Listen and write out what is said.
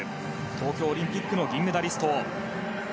東京オリンピックの銀メダリスト。